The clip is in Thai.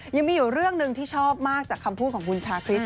ยังมีอยู่เรื่องหนึ่งที่ชอบมากจากคำพูดของคุณชาคริส